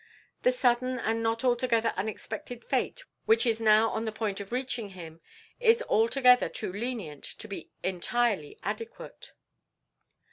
The sudden and not altogether unexpected fate which is now on the point of reaching him is altogether too lenient to be entirely adequate."